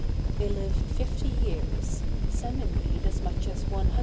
They live fifty years, some indeed as much as one hundred.